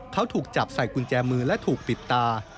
เขาถูกจับใส่กุญแจมือและถูกปิดตา